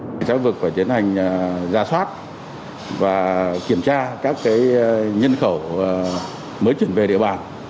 cảnh sát khu vực phải tiến hành ra soát và kiểm tra các nhân khẩu mới chuyển về địa bàn